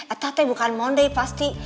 eta teh bukan mondi pasti